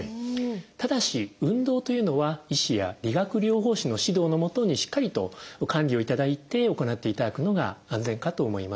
ただし運動というのは医師や理学療法士の指導の下にしっかりと管理をいただいて行っていただくのが安全かと思います。